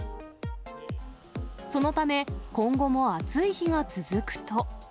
そのため、今後も暑い日が続くと。